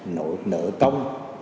nội nợ công